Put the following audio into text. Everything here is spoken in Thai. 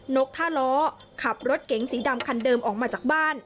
นกท่าล้อขับรถเก๋งสีดำคันเดิมออกมาจากบ้าน